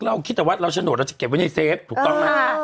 เราคิดแต่ว่าเราโฉนดเราจะเก็บไว้ในเฟฟถูกต้องไหม